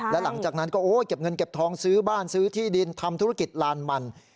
และหลังจากนั้นก็เก็บเงินเก็บทองซื้อบ้านซื้อที่ดินทำธุรกิจลานมัน